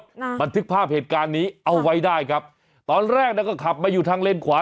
น่ะบันทึกภาพเหตุการณ์นี้เอาไว้ได้ครับตอนแรกน่ะก็ขับมาอยู่ทางเลนขวา